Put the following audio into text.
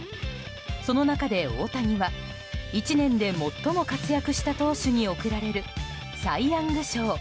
その中で、大谷は１年で最も活躍した投手に贈られるサイ・ヤング賞